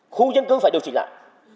khu dân cư phải điều chỉnh lại